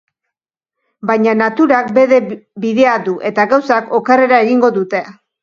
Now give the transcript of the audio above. Baina naturak bere bidea du eta gauzak okerrera egingo dute.